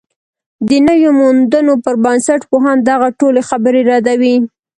د نویو موندنو پر بنسټ، پوهان دغه ټولې خبرې ردوي